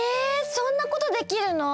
そんなことできるの？